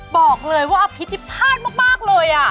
บอกเลยว่าอภิษที่พลาดมากเลย